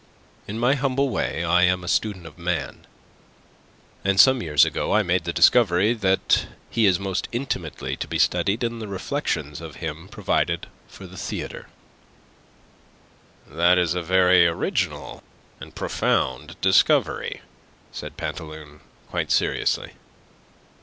"In my humble way I am a student of man, and some years ago I made the discovery that he is most intimately to be studied in the reflections of him provided for the theatre." "That is a very original and profound discovery," said Pantaloon, quite seriously.